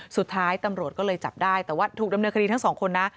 สุดท้ายตำรวจก็เลยจับได้แต่ว่าถูกดำเนินคดีทั้งสองคนนะ